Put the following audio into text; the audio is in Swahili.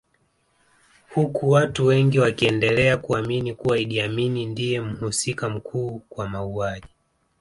Huku watu wengi wakiendelea kuamini kuwa Idi Amin ndiye mhusika mkuu kwa mauaji